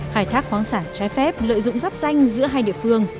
khai thác khoáng sản trái phép lợi dụng rắp ranh giữa hai địa phương